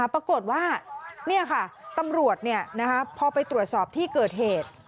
ปรากฏว่านี่ค่ะตำรวจพอไปตรวจสอบที่เกิดเหตุ